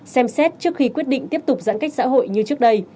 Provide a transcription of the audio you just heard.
xem xét trước khi quyết định tiếp tục giãn cách xã hội như trước đây